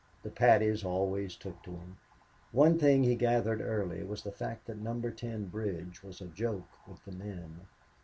The Paddies always took to him. One thing he gathered early was the fact that Number Ten bridge was a joke with the men.